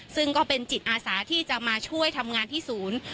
ซึ่งก็เป็นจิตอาสาที่จะมาช่วยทำงานที่ศูนย์